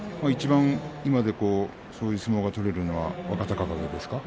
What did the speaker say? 今でこそ、そういう相撲が取れるのは若隆景ですか？